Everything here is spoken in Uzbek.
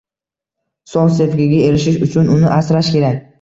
Sof sevgiga erishish uchun uni asrash kerak.